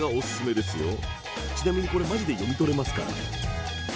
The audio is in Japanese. ちなみにこれマジで読み取れますから。